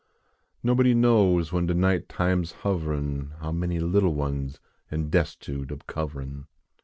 Nobody knows when de night time s hoverin How many little ones am des tute ob coverin